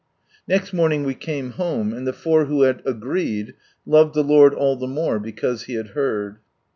Next morning we came home, and the four who had " agreed " loved the Lord all Ihe more " because He had heard."